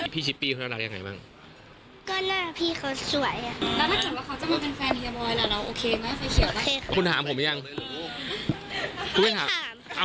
พี่เต้ยก็ผ่านละ